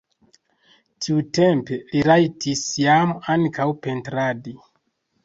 Tiutempe li rajtis jam ankaŭ pentradi.